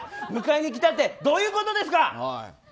迎えに来たってどういうことですか！